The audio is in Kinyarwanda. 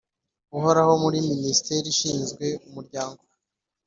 uhoraho muri Minisiteri ishinzwe Umuryango